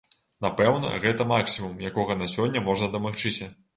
Напэўна, гэта максімум, якога на сёння можна дамагчыся.